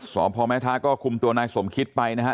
สอบพระมรถาก็คุมตัวนายสมคิดไปนะฮะ